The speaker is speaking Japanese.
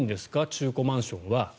中古マンションは。